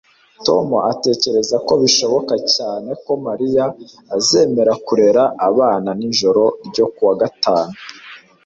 Tom atekereza ko bishoboka cyane ko Mariya azemera kurera abana nijoro ryo kuwa gatanu